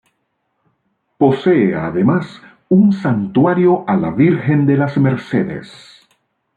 Posee además un Santuario a la Virgen de las Mercedes.